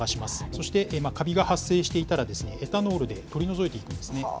そしてカビが発生していたらエタノールで取り除いていくんですね。